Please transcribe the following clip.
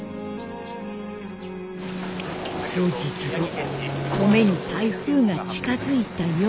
数日後登米に台風が近づいた夜。